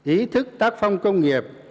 ý thức tác phong công nghiệp